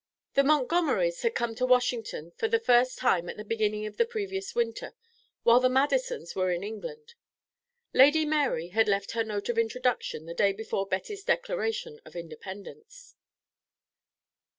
III The Montgomerys had come to Washington for the first time at the beginning of the previous winter, while the Madisons were in England. Lady Mary had left her note of introduction the day before Betty's declaration of independence.